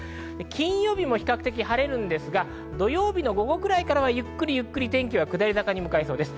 金曜日も比較的晴れますが土曜日の午後くらいから、ゆっくり天気は下り坂に向かいそうです。